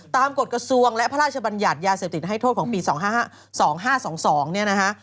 กฎกระทรวงและพระราชบัญญัติยาเสพติดให้โทษของปี๒๕๒๒เนี่ยนะฮะ